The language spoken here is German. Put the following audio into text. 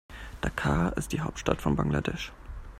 Dhaka ist die Hauptstadt von Bangladesch.